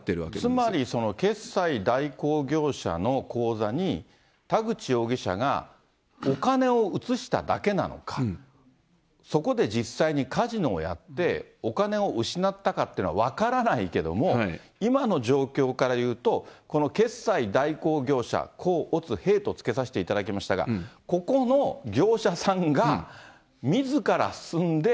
つまり、決済代行業者の口座に、田口容疑者がお金を移しただけなのか、そこで実際にカジノをやってお金を失ったかっていうのは分からないけども、今の状況からいうと、この決済代行業者、甲、乙、丙とつけさせていただきましたが、ここの業者さんが、みずから進んで。